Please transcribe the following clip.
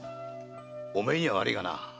おめえには悪いがな